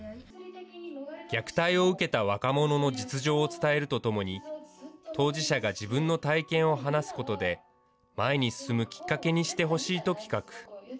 虐待を受けた若者の実情を伝えるとともに、当事者が自分の体験を話すことで、前に進むきっかけにしてほしいと企画。